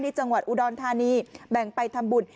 จังหวัดอุดรธานีแบ่งไปทำบุญ